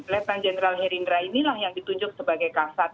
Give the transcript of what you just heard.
lieutenant general herindra inilah yang ditunjuk sebagai kasat